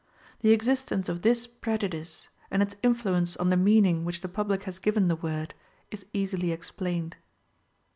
The existence of this prejudice, and its influence on the meaning which the public has given the word, is easily explained.